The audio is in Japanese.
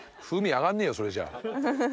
それじゃあ。